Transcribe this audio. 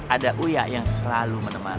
ada uyak yang selalu menemani